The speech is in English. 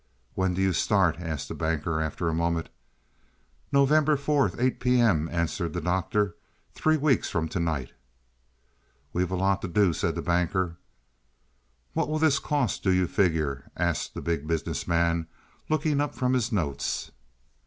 "When do you start?" asked the Banker after a moment. "November 4th 8 P. M.," answered the Doctor. "Three weeks from to night." "We've a lot to do," said the Banker. "What will this cost, do you figure?" asked the Big Business Man, looking up from his notes.